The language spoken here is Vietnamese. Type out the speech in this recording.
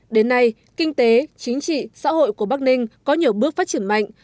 đến nay kinh tế chính trị xã hội của bắc ninh có nhiều bước phát triển mạnh